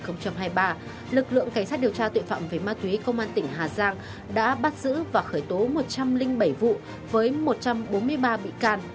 năm hai nghìn hai mươi ba lực lượng cảnh sát điều tra tội phạm về ma túy công an tỉnh hà giang đã bắt giữ và khởi tố một trăm linh bảy vụ với một trăm bốn mươi ba bị can